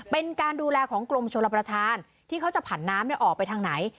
เป็นการดูแลของกรมชลประธานที่เขาจะผันน้ำออกไปทางไหน